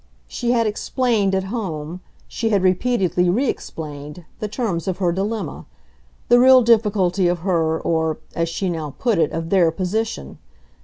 She had explained at home, she had repeatedly reexplained, the terms of her dilemma, the real difficulty of her, or as she now put it of their position.